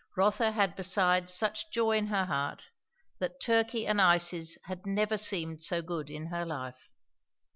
Rotha had besides such joy in her heart, that turkey and ices had never seemed so good in her life.